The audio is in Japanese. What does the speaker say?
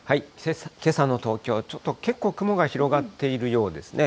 けさの東京、ちょっと結構、雲が広がっているようですね。